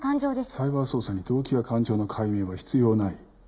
サイバー捜査に動機や感情の解明は必要ない。